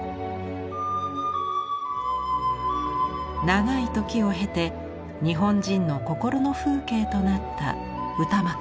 長い時を経て日本人の心の風景となった歌枕。